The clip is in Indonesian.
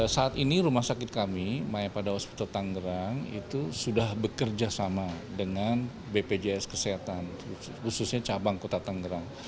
saat ini rumah sakit kami mayapada ospute tangerang itu sudah bekerja sama dengan bpjs kesehatan khususnya cabang kota tangerang